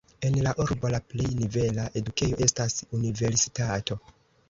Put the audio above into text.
En la urbo la plej nivela edukejo estas universitato.